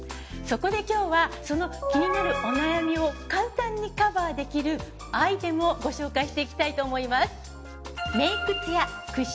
そこで今日はその気になるお悩みを簡単にカバーできるアイテムをご紹介していきたいと思います。